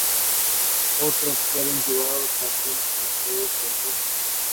Otros fueron llevados a algunos museos de Europa.